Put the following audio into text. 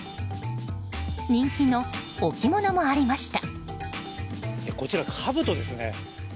人気の置物もありました。